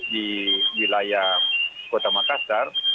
di wilayah kota makassar